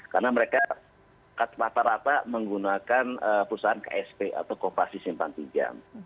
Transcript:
karena mereka rata rata menggunakan perusahaan ksp atau kopasi simpan pijam